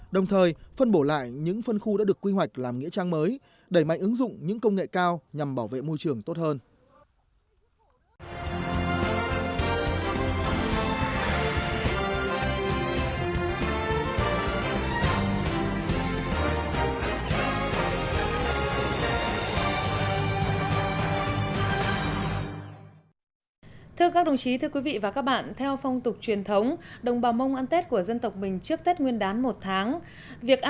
đồng thời phân bổ lại những phân khu đã được quy hoạch làm nghĩa trang mới